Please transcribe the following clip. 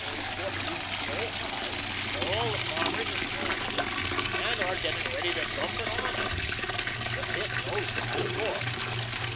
We've put wheat so high, that all the farmers have planted it, and are getting ready to dump it on us. The Pit knows that, of course.